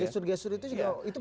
gesur gesur itu juga